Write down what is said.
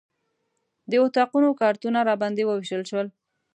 د اتاقونو کارتونه راباندې ووېشل شول.